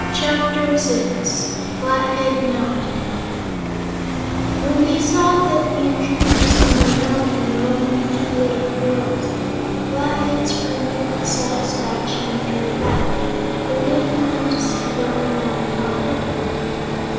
Chapter Six Flathead Mountain When they saw that the intruders on their mountain were only two little girls, the Flatheads grunted with satisfaction and drew back, permitting them to see what the mountain top looked like.